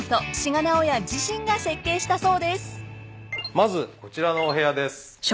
まずこちらのお部屋です。